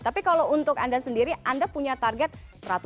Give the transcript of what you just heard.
tapi kalau untuk anda sendiri anda punya target seratus hari